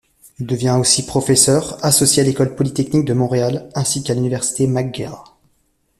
Il devient aussi professeur associé à l’École polytechnique de Montréal ainsi qu’à l’Université McGill.